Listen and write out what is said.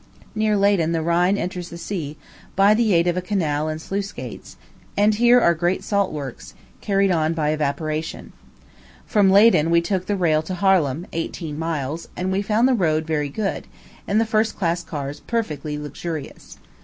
Near Leyden the Rhine enters the sea, by the aid of a canal and sluice gates; and here are great salt works, carried on by evaporation. From Leyden we took the rail to Harlem, eighteen miles; and we found the road very good, and the first class cars perfectly luxurious.